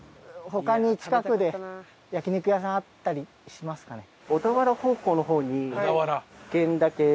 他に近くで焼肉屋さんあったりしますかね？